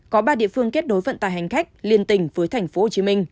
có ba địa phương kết nối vận tài hành cách liên tình với tp hcm